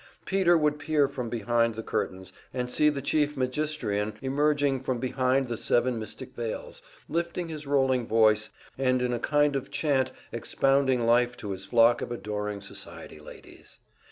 Peter would peer from behind the curtains and see the Chief Magistrian emerging from behind the seven mystic veils, lifting his rolling voice and in a kind of chant expounding life to his flock of adoring society ladies.